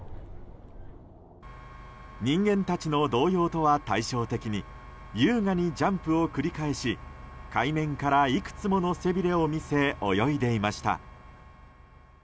人間たちの動揺とは対照的に優雅にジャンプを繰り返し海面からいくつもの背びれを見せ泳いでいました。